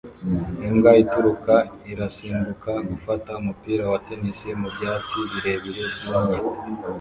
Imbwa itukura irasimbuka gufata umupira wa tennis mu byatsi birebire byumye